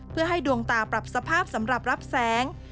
เพื่อให้ดวงตาปรับสภาพสำหรับรับแสง